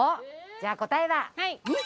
じゃあ答えは。